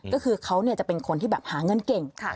ก็คือเขาจะเป็นคนที่แบบหาเงินเก่ง